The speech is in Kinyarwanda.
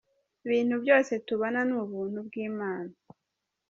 Ibintu byose tubona ni ubuntu bw’Imana.